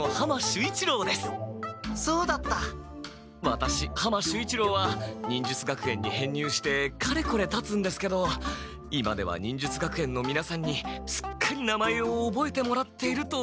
ワタシ浜守一郎は忍術学園に編入してかれこれたつんですけど今では忍術学園のみなさんにすっかり名前をおぼえてもらっていると思っていたんですが。